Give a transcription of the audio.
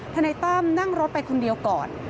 นายตั้มนั่งรถไปคนเดียวก่อน